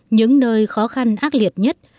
những nơi khó khăn ác liệt nhất